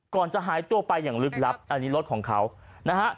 ก่อนจะหายตัวไปอย่างลึกลับอันนี้รถของเขานะฮะ